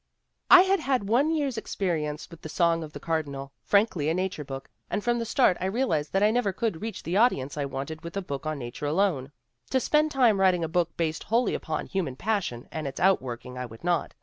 1 'I had had one year's experience with The Song of e Cardinal, frankly a nature book, and from the start I realized that I never could reach the audience I wanted with a book on nature alone. To spend time writing a book based wholly upon human passion and its outworking I would not.